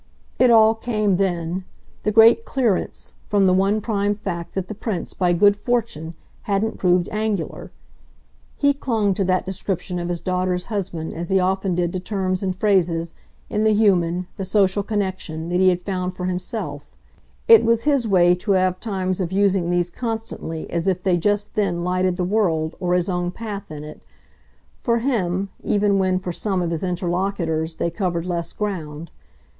It all came then, the great clearance, from the one prime fact that the Prince, by good fortune, hadn't proved angular. He clung to that description of his daughter's husband as he often did to terms and phrases, in the human, the social connection, that he had found for himself: it was his way to have times of using these constantly, as if they just then lighted the world, or his own path in it, for him even when for some of his interlocutors they covered less ground.